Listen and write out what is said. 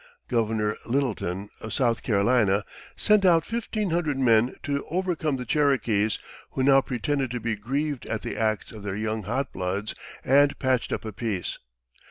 Governor Lyttleton, of South Carolina, sent out fifteen hundred men to overcome the Cherokees, who now pretended to be grieved at the acts of their young hot bloods and patched up a peace.